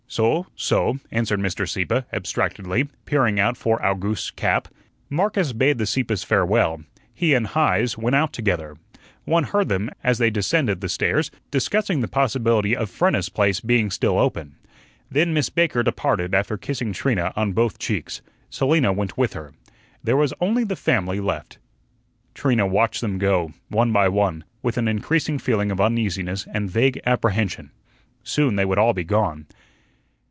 "Soh, soh," answered Mr. Sieppe abstractedly, peering about for Owgooste's cap. Marcus bade the Sieppes farewell. He and Heise went out together. One heard them, as they descended the stairs, discussing the possibility of Frenna's place being still open. Then Miss Baker departed after kissing Trina on both cheeks. Selina went with her. There was only the family left. Trina watched them go, one by one, with an increasing feeling of uneasiness and vague apprehension. Soon they would all be gone.